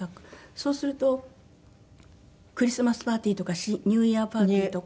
そうするとクリスマスパーティーとかニューイヤーパーティーとか。